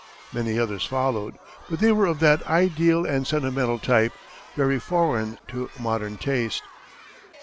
Many others followed, but they were of that ideal and sentimental type, very foreign to modern taste.